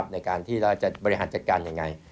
ในการที่เราจะบริหารจัดการยังไง